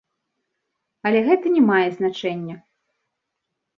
Але гэта не мае значэння.